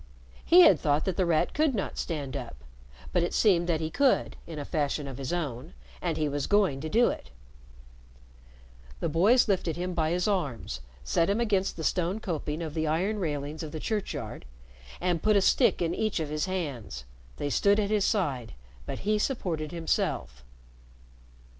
He had thought that The Rat could not stand up, but it seemed that he could, in a fashion of his own, and he was going to do it. The boys lifted him by his arms, set him against the stone coping of the iron railings of the churchyard, and put a stick in each of his hands. They stood at his side, but he supported himself.